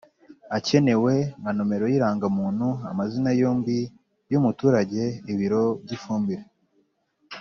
Akenewe nka nomero y indangamuntu amazina yombi y umuturage ibiro by ifumbire